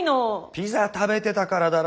ピザ食べてたからだろ。